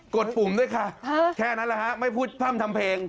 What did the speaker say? ดปุ่มด้วยค่ะแค่นั้นแหละฮะไม่พูดพร่ำทำเพลง